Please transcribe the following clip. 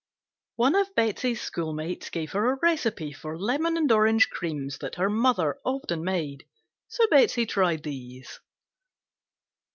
One of Betsey's schoolmates gave her a recipe for lemon and orange creams that her mother often made, so Betsey tried these.